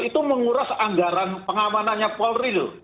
itu menguras anggaran pengamanannya polril